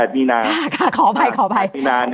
๑๘มีนาค่ะค่ะขออภัยขออภัย